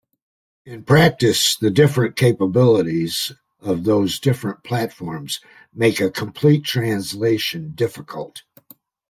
In practice, the different capabilities of those different platforms make a complete translation difficult.